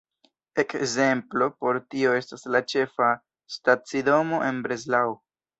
Ekzemplo por tio estas la ĉefa stacidomo en Breslau.